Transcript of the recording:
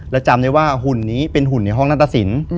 และจำได้ว่าหุ่นนี้เป็นหุ่นในห้องนัตรสิน